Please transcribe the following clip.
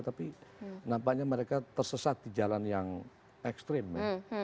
tapi nampaknya mereka tersesat di jalan yang ekstrim ya